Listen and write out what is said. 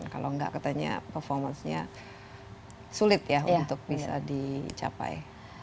kalau enggak katanya performance nya sulit ya untuk bisa dicapai